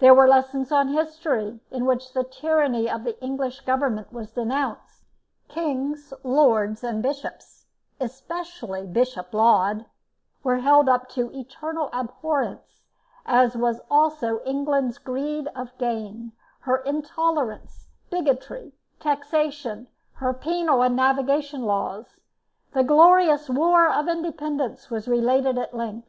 There were lessons on history, in which the tyranny of the English Government was denounced; Kings, Lords and Bishops, especially Bishop Laud, were held up to eternal abhorrence; as was also England's greed of gain, her intolerance, bigotry, taxation; her penal and navigation laws. The glorious War of Independence was related at length.